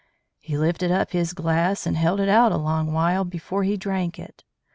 "He lifted up his glass and held it out a long while before he drank it.